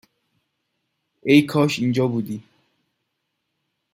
ای کاش اینجا بودی